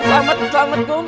selamat selamat kum